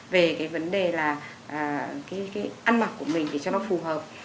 về cái vấn đề là cái ăn mặc của mình thì cho nó phù hợp